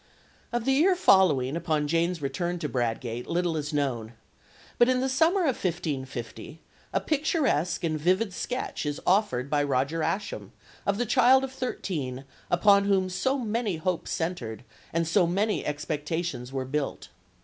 Of the year following upon Jane's return to Bradgate little is known; but in the summer of 1550, a picturesque and vivid sketch is afforded by Roger Ascham of the child of thirteen upon whom so many hopes centred and so many expectations were built.